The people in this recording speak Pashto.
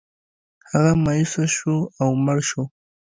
هغه مایوسه شو او مړ شو.